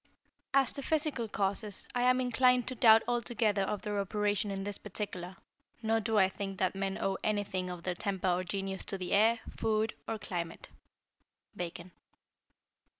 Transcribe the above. As to Physical causes, I am inclined to doubt altogether of their operation in this particular; nor do I think that men owe anything of their temper or genius to the air, food, or climate. _Bacon.